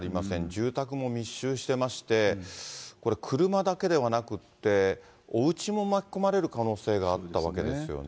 住宅も密集してまして、これ、車だけではなくって、おうちも巻き込まれる可能性があったわけですよね。